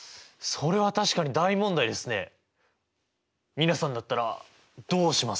皆さんだったらどうします？